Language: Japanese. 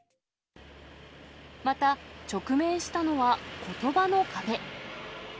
また、直面したのはことばの壁。